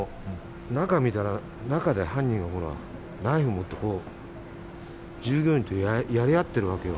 中見たら、中で犯人がほら、ナイフを持って、こう、従業員とやり合ってるわけよ。